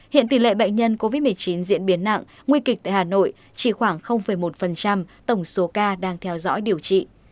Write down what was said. hiện tỷ lệ bệnh nhân covid một mươi chín diễn biến nặng nguy kịch tại hà nội chỉ khoảng một tổng số ca đang theo dõi điều trị